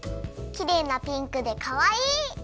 きれいなピンクでかわいい！